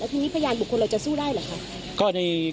ทีนี้พยานบุคคลเราจะสู้ได้หรือคะ